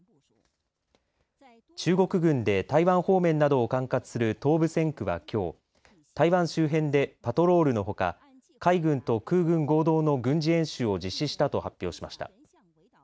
中国軍で台湾方面などを管轄する東部戦区はきょう台湾周辺でパトロールのほか海軍と空軍合同の軍事演習を実施したと発表しました。